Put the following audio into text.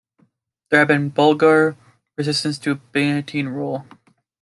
There had been Bulgar resistance to Byantine rule.